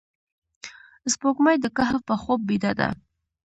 سپوږمۍ د کهف په خوب بیده ده